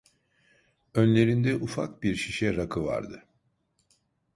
Önlerinde ufak bir şişe rakı vardı.